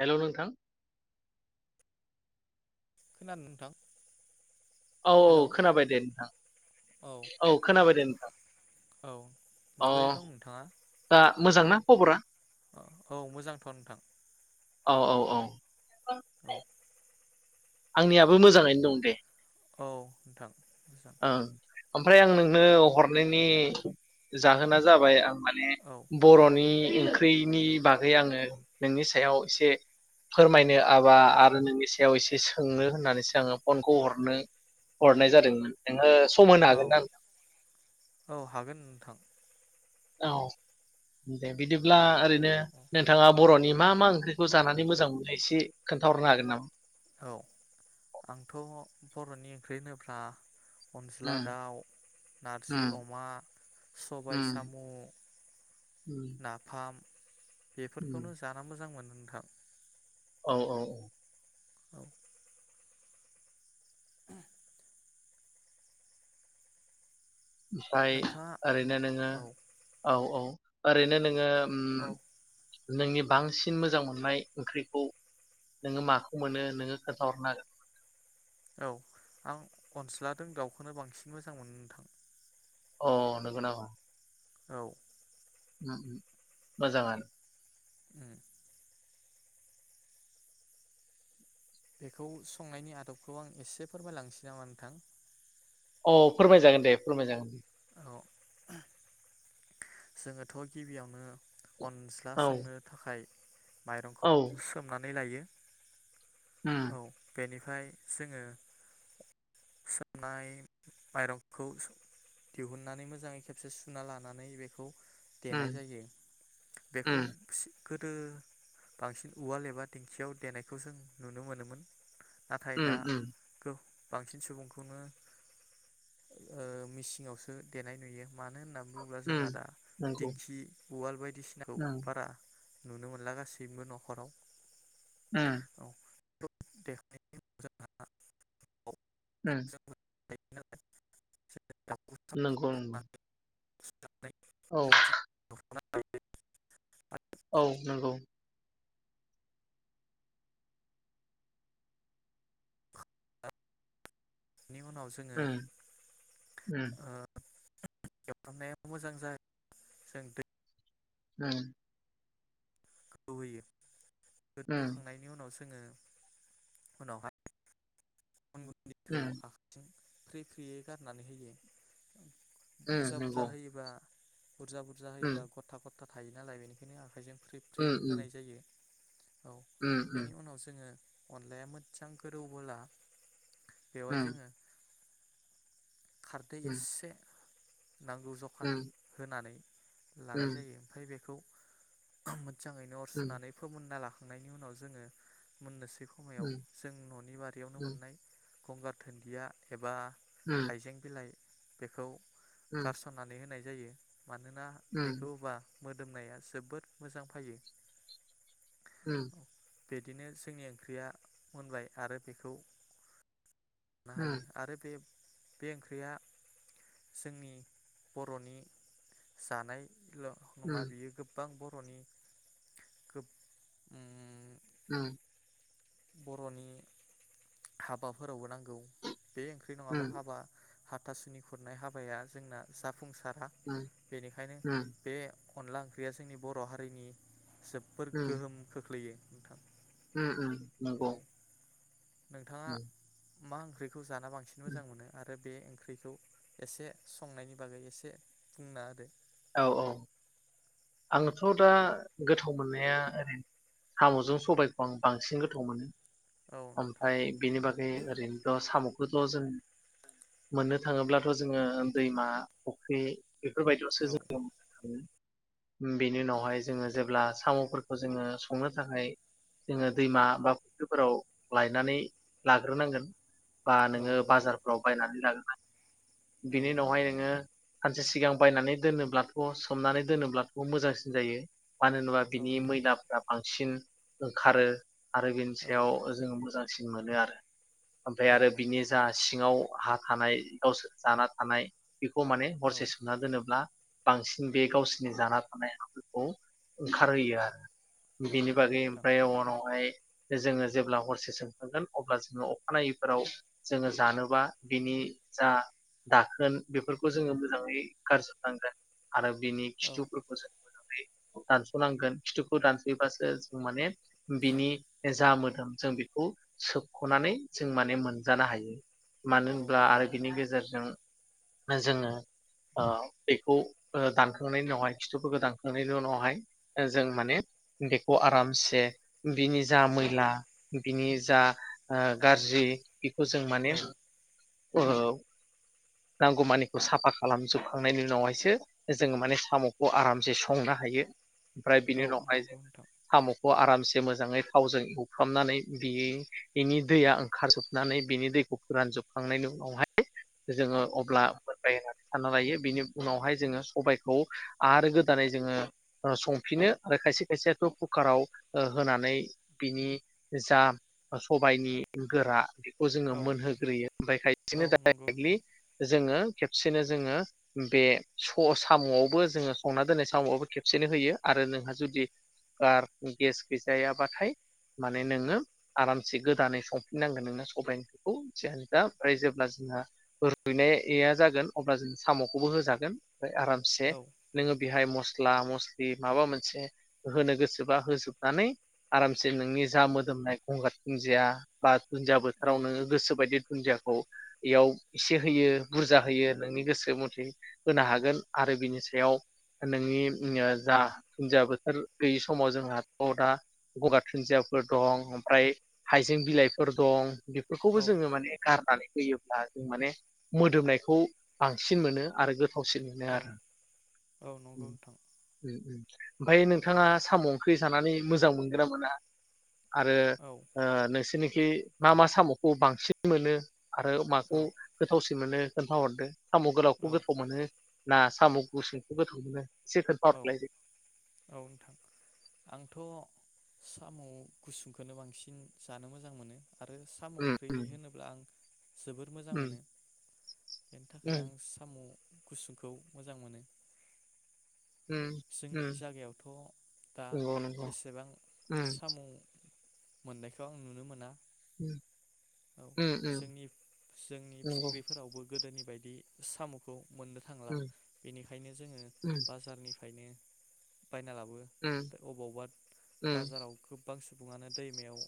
Hello नोंथां। खोनादों नोंथां औ औ हेलौ खोनाबाय दे नोंथां औ खोनाबाय दे नोंथां औ अ माबोरै दं नोंथाङा दा मोजांना खबरा? औ मोजांथ' नोंथां [inaudible] औ, औ, औ। औ [inaudible] आंनियाबो मोजाङैनो दं दे। औ नोंथां [inaudible] औ ओमफ्राय आं नोंनो हरनायनि जाहोना जाबाय आं माने औ बर'नि ओंख्रिनि बागै आङो नोंनि सायाव एसे फोरमायनो आबा आरो नोंनि सायाव एसे सोंनो होननानैसो आङो फनखौ हरनो हरनाय जादोंमोन। नोंगोस औ औ हागोन नोंथां औ दे बिदिब्ला ओरैनो नोंथाङा बर'नि मा मा ओंख्रिखौ जानानै मोजां मोनो एसे खोन्थाहरनो हागोन नामा? औ आंथ' बर'नि ओंख्रि होनोब्ला अनज्ला उम दाउ, नारजि उम अमा, सबाय उम साम, उम ' नाफाम। बेफोरखौनो उम जाना मोजां मोनो मोनोंथाम औ औ [inaudible] ओमफ्राय नोंथाङा ओरैनो नोङो औ औ औ आरैनो नोङो औ उम नोंनि बांसिन मोजां मोननाय ओंख्रिखौ नोङो माखौ मोनो नोङो खोन्थाहरनो हागोन औ आं अस्लादों दाउखौनो बांसिन मोजां मोनो नोंथां अ नोंगौ नामा औ उम उम मोजाङानो उम बेखौ संनायनि आदबखौ आं एसे फोरमायलांनोसै नामा नोंथां अ फोरमायजागोन दे फोरमायजागोन औ जोङोथ' गिबियावनो अनज्ला औ संनो थाखाय माइरंखौ औ सोमनानै लायो उम औ बेनि फ्राय जोङो सोमनाय माइरंखौ दिहुननानै मोजाङै खेबसे सुना लानानै बेखौ उम देनाय जायो बेखौ उम गोदो बांसिन उवाल एबा दिंखियाव देनायखौ जों नुनो मोनोमोन नाथाय उम दा उम गौ बांसिन सुबुंखौनो मिसिङावसो देनाय नुयो मानो होननानै बुङोब्ला उम जोंहा दा नंगौ दिंखि उवाल बायदिसिनाखौ उम बारा नुनो मोनला गासैबो न'खराव। उम। [unintelligible] उम। [unintelligible] नोंगौ नंगौ। औ [unintelligible] [unintelligible] औ नंगौ। नि उनाव जोङो उम ओ उम [unintelligible] माने मोजां जा जों दै। उम। खौ होयो। उम गोदौहोखांनायनि उनावसो जोङो उनावहाय अन गुन्दैखौ उम आखाइथिं फ्रि फ्रियै गारनानै होयो। उम बुरजा नंगौ बुरजा होयोबा बुरजा बुरजा उम होयोबा गथा गथा थायोनालाय बेनिखायनो आखाइजों फ्रि फ्रि उम उम होनाय जायो। औ उम बेनि उनाव जोङो अनलाया मोजां गोरौबोला बेवहाय जोङो खारदै एसे नांगौ जखानि होनानै लानाय जायो ओमफ्राय बेखौ [unintelligible] मो। मोजाङैनो अर सुनानै फोमोनना लाखा खांनायनि उनाव जोङो मोननोसै समायाव जों न'नि बारियावनो मोननाय गंगार धोन्दिया एबा हाइजें बिलाइ बेखौ गारसननानै होनाय जायो मानोना बेखौ होबा मोदोमनाया जोबोद मोजां फायो। उम बिदिनो जोंनि ओंख्रिया मोनबाय आरो बेखौ लानो हायो आरो बे बे ओंख्रिया जोंनि बरनि जानाय [unintelligible] नङा बियो गोबां बर' रनि गोब उम उम बरनि हाबाफोरावबो नांगौ। बे ओंख्रि नंङाबा हाबा हाथासुनि खुरनाय हाबाया जोंना जाफुंसार दा बेनिखायनो बे अनला ओंख्रिया जोंनि बर हारिनि जोबोर गोहोम खोख्लैयो। नोंथां ओम ओम औ नंगौ नोंथाङा मा ओंख्रि खौ जाना बांसिन उम मोजां मोनो आरो बे ओंख्रिखौ एसे संनायनि बागै एसे बुंनो होदो औ औ आंथ दा गोथाव मोननाया ओरै सामजों सबायाइखौ आं बांसिन गोथाव मोनो औ नोंथां ओमफ्राय बेनि बागै ओरैनोथ साम' खौथ जों मोननो थाङोब्लाथ जोंङो दैमा फुख्रि बेफोरबायदियावसो औ जों बेनि उनावहाय जोंङो जेब्ला सामफोरखौ जोंङो संनो थाखाय जोंङो दैमा बा फुख्रिफोराव लायनानै लाग्रोनांगोन बा औ नोंङो नोंथां बाजारफ्राव बायनानै लागोन बिनि औ उनावहाय नोंङो सानसे सिगां बायनानै दोनो ब्लाथ सोमनानै दोनोब्लाथ मोजांसिन जायो। मानो होनोबा औ बिनि नोंथां मैलाफ्रा बां सिन ओंखारो। आरो बेनि औ सायाव जोङो मोजां सिन मोनो आरो। ओमफ्राय औ आरो नंगौ बिनि जा नोंथां सिङाव हा थानाय गावसोर जाना थानाय बेखौ माने औ हरसे सोमना दोनोब्ला बांसिन बे गावसिनि जाना थानाय हाफोरखौ ओंखारहोयो आरो। औ बिनि नंगौ बागै नोंथां ओमफ्राय उनावहाय जोङो जेब्ला हरसे सोमखांगोन अब्ला जोङो अखानायैफोराव जोङो जानोबा बिनि जा दाखोन बेफोरखौ जोङो मोजाङै गारजोबनांगोन। आरो बिनि औ खिथुफोरखौ जों दानस'नांगोन खिथुखौ दानस'योबासो जों माने बिनि जा मोदोम जों बेखौ सोबख'नानै जों माने मोनजानो हायो। मानो औ होनब्ला नंगौ आरो बिनि नोंथां गेजेरजों जोङो ओ बेखौ ओ दानखांनायनि उनावहाय खिथुफोरखौ दानखांनायनि उनावहाय ओ जों माने बेखौ आरामसे बिनि जा मैला बिनि जा ओ गाज्रि बेखौ जों माने औ ओ नांगौमानिखौ साफा खालामजोबखांनायनि उनावहायसो जोङो माने साम'खौ आरामसे संनो हायो। फ्राय बिनि औ उनावहाय जों नंगौ नोंथां साम'खौ आरामसे मोजांङै थावजों एउफ्रामनानै बि बेनि दैया ओंखारजोबनानै बिनि दैखौ फोरानजोबखांनायनि उनावहाय जोङो अब्ला मोनबाय होननानै सानना लायो बिनि उनावहाय जोङो सबाइखौ आरो गोदानै जोङो संफिनो आरो खायसे खायसेयाथ' कुकाराव ओ होनानै बिनि जा सबाइनि गोरा खौ जोङो औ मोनहोग्रोयो ओमफ्राय खायसेनो औ नंगौ डाइरेक्टलि नोंथां जोङो खेबसेनो जोङो बे स अ साम'आवबो जोङो संना दोननाय साम आवबो खेबसेनो होयो आरो नोंहा जुदि गेस गैजायाबाथाय माने नोङो आरामसे गोदानै संफिननांगोन नोंङो सबाइ ओंख्रिखौ जियानो जा ओमफ्राय जेब्ला जोंहा रुइनाया जागोन अब्ला जों साम'खौबो होजागोन। ओमफ्राय आरामसे औ नोङो बेहाय मस मस्ला मस्लि माबा मोनसे होनो गोसोबा होजोबनानै आरामसे नोंनि जा मोदोमनाय गंगार दुन्जिया बा दुनजिया औ बोथोराव नोङो गोसो बायदि दुन्दियाखौ एयाव एसे होयो बुरजा होयो नोंनि गोसो मथे होनो हागोन आरो बिनि सायाव नोंनि उम जा दुन्दिया बोथोर गैयि समाव जोंहा थ' दा गगा दुुनन्दियाफोर दं ओमफ्राय हाइजें बिलाइफोर दं बेफोरखौबो औ जोङो माने गारनानै होयोब्ला जों माने मोदोमनायखौ बांसिन मोनो आरो गोथा थावसिन मोनो औ आरो। औ नंगौ उम नोंथां उम। ओमफ्राय नोंथांङा साम' ओंख्रि जानानै मोजां मोनगोना मोना? आरो औ ओ नोंसोरनि थि मा मा साम'खौ बांसिन मोनो? आरो औ माखौ गोथावसिन मोने खोन्था हरदो साम' गोलावखौ गोथाव मोनो ना साम' गुसुंखौ गोथाव मोनो? एसे औ खोन्थाहरलाय दे। औ नोंथां आंथ' साम' गुसुंखोनो बांसिन जानो मोजां मोनो। आरो साम' उम ओंख्रि होनोब्ला आं जोबोर मोजां उम मोनो बेनि थाखायनो उम आं साम' गुसुंखौ मोजां मोनो उम उम जोंनि जागायावथ' दा नंगौ नंगौ एसेबां उम साम' मोननायखौ आं नुनो मोना उम औ उम उम जोंनि जोंनि नंगौ फुख्रिफोरावबो गोदोनि बायदि बि साम'खौ मोननो थांला उम बेनिखायनो जोंङो उम बाजारनिफ्रायनो बायना लाबो उम अबावबा उम बाजाराव गोबां सुबुङानो दैमायाव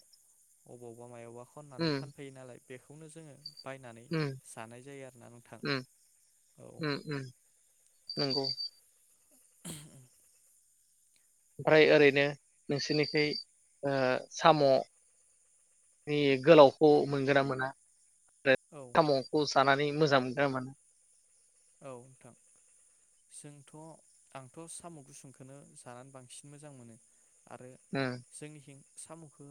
अबावबा मायावबा उम फैयो नालाय बेखौनो जोंङो बायनानै उम जानाय जायो आरोना नोंथां उम औ उम उम नंगौ [unintelligible] ओमफ्राय ओरैनो नोंसोरनिखै ओ साम'नि गोलाव खौ औ मोनगोना मोना आरो औ साम'खौ सानानै मोजां रोमोन औ नोंथां जोंथ' आंथ' साम' गुसुंखौनो जानानै बांसिन मोजां मोनो आरो उम जोंनिखिं सामु'खो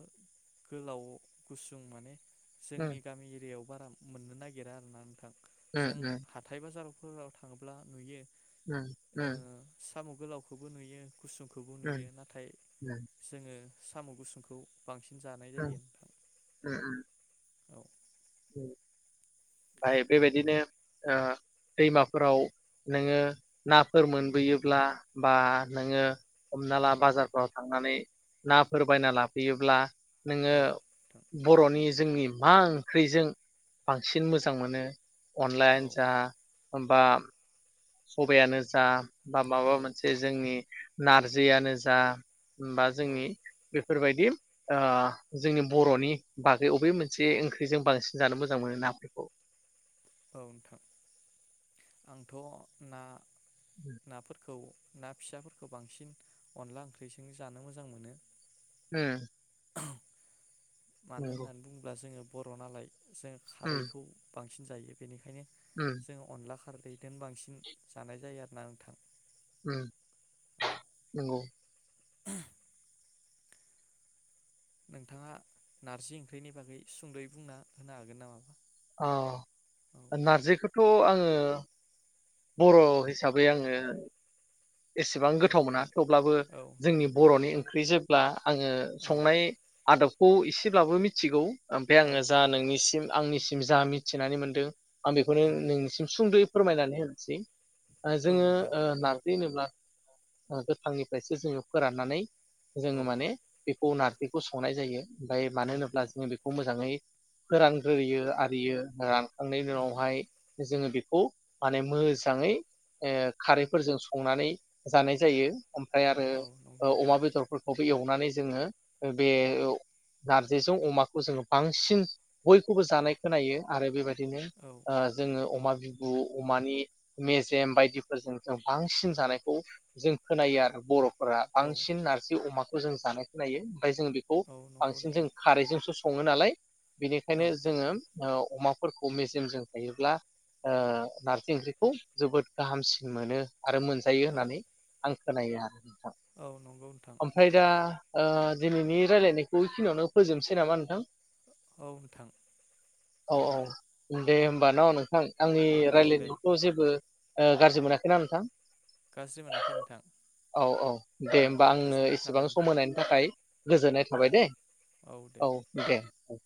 उम जोंनि गामि एरियायाव बारा मोननो नागिरा आरोना नोंथां जों उम हाथाय बाजाराव फुंआव थांङोब्ला नुयो उम ओ उम साम' गोलावखौबो नुयो गुसुंखौबो नुयो नाथाय उम जोंङो साम' गुसुंखौ बांसिन जानाय उम जायो नोंथां। औ ओमफाय बेबायदिनो ओ दैमाफोराव नोङो नाफोर मोनबोयोब्ला बा नोङो हमना ला बाजारफोराव थांनानै नाफोर बायना लाबोयोब्ला औ नोङो नोंथां बर'नि जोंनि मा ओ ओंख्रिजों बांसिन मोजां मोनो औ अनलायानो जा ओमबा सबायनो जा बा माबा औ मोनसे जोंनि नारजियानो जा बा औ जोंनि [unintelligible] फोरबायदि ओ जोंनि बर'नि बागै अबे मोनसे ओंख्रिजों बांसिन जानो मोजां मोनो नाफोरखौ औ नोंथां आंथ' ना नाफोरखौ ना फिसाफोरखौ बांसिन अनला ओंख्रिजों जानो मोजां मोनो। ओम मानो होननानै बुङोब्ला जोङो बर' नालाय जों उम खारैखौ बांसि फिन जायो बेनिखायनो उम जोङो अनला खा खारदै बिदेन बांसिन जानाय जायो आरो ना नोंथां उम औ नंगौ [unintelligible] नोंथाङा नारजि ओंख्रिनि बागै सुंद'यै बुंना होनो हागोन नामा? अ नारजिखो थ' आङो बर' हिसाबै आङो एसेबां औ गोथाव मोना नोंथां थेवब्लाबो औ जोंनि नोंथां बर'नि ओंख्रिजे ब्ला आङो औ संनाय आदब खौ एसेब्लाबो मिथिगौ ओमफाय औ आङो जा नोंथां नोंनिसिम आंनिसिम जा मिथिनानै मोनदों आं बेखौनो औ नोंनिसिम सुंद'यै फोरमायनानै होनोसै। ओ औ जोङो नोंथां ओ नार जि होनोब्ला गोथांनिफ्रायसो जोङो फोराननानै औ जोङो माने बे खौ नारजिखौ संनाय जायो। ओमफाय औ मानो होनोब्ला नोंथां जोङो बेखौ मोजाङै फोरानग्रोयो आरियो रान खांनायनि उम उनावहाय। जोङो बेखौ माने मोजाङै ओ खारैफोरजों संनानै जानाय जायो। ओमफ्राय आरो औ नंगौ ओ अमा नोंथां बेदरफोरखौ एवनानै जोङो बे नारजिजों अमाखौ जोङो बांसिन बयखौबो जानाय खोनायो आरो बेबायदिनो। नो औ ओ जोंङो अमा बिबु अमानि मेजेम बायदिफोरजों जों बां सिन जानायखौ जों खोनायो आरो बर'। फ्रा औ बांसिन नारजि अमा खौ खौ जों जानाय खोनायायो। जों बेखौ औ नंगौ बांसिन नोंथां जों खारै जों सङो नालाय औ बेनिखायनो जोङो। अमाफोरखौ मेजेमजों थायोब्ला नारजि ओंख्रिखौ जोबोद गाहामसिन मोनो आरो मोनजायो औ होननानै आं। खोनायो। नोंथां औ नंगौ नोंथां ओमफ्राय दा ओ दिनैनि रायलायनायखौ इखिनियावनो फोजोबनोसै नामा नोंथां। औ नोंथां औ औ जागोन दे दे होमबा न' नोंथां। आंनि औ दे रायज्लायनायथ' जेबो गाज्रि मोनाखैना नोंथां गाज्रि मोनाखै नोंथां औ औ दे औ होमबा आंनो गोजोननाय एसेबां थाबाय नोंथां सम होनायनि थाखाय गोजोननाय औ थाबाय दे औ दे औ।